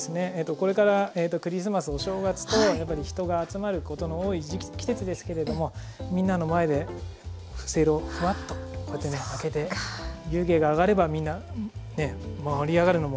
これからクリスマスお正月とやっぱり人が集まることの多い時期季節ですけれどもみんなの前でせいろをフワッとこうやってね開けて湯気が上がればみんなね盛り上がるのも間違いなし。